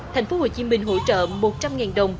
tp hcm hỗ trợ một trăm linh đồng